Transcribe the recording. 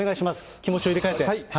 気持ちを入れ替えて。